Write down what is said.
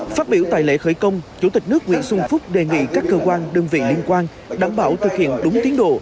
phát biểu tại lễ khởi công chủ tịch nước nguyễn xuân phúc đề nghị các cơ quan đơn vị liên quan đảm bảo thực hiện đúng tiến độ